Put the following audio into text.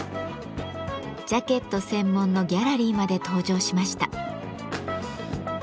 ジャケット専門のギャラリーまで登場しました。